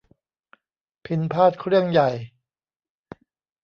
พิณพาทย์เครื่องใหญ่